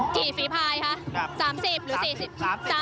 กี่ฝีภายครับ